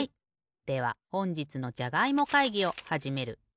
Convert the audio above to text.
ではほんじつのじゃがいも会議をはじめる。